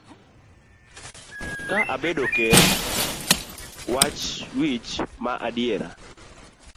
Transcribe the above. Ka abedo ker, wach wich ma adier.